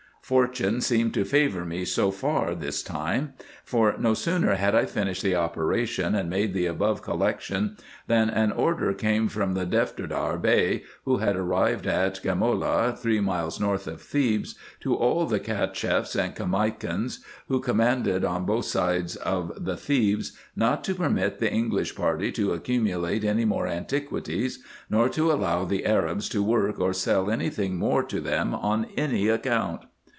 Fortune seemed to favour me so far this time ; for, no sooner had I finished the operation, and made the above collection, than an order came from the Defterdar Bey, who had arrived at Gamola, three miles north of Thebes, to all the Cacheffs and Caimakans, who commanded on both sides of Thebes, not to permit the English party to accumulate any more antiquities, nor to allow the Arabs to work or sell any thing more to them on any account.